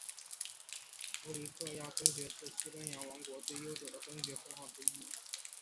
弗里亚斯公爵是西班牙王国最悠久的公爵封号之一。